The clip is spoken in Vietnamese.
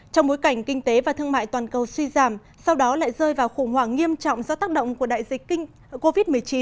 trong bối cảnh kinh tế và thương mại toàn cầu suy giảm sau đó lại rơi vào khủng hoảng nghiêm trọng do tác động của đại dịch covid một mươi chín